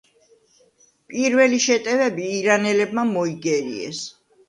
პირველი შეტევები ირანელებმა მოიგერიეს.